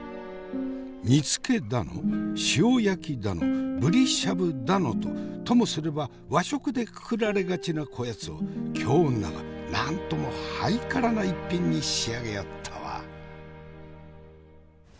煮つけだの塩焼きだのぶりしゃぶだのとともすれば和食でくくられがちなこやつを京女がなんともハイカラな一品に仕上げよったわ。